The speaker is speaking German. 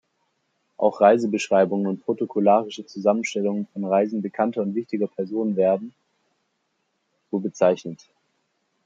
Auch Reisebeschreibungen und protokollarische Zusammenstellungen von Reisen bekannter und wichtiger Personen werden so bezeichnet.